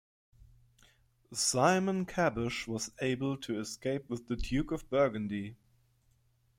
Simon Caboche was able to escape with the Duke of Burgundy.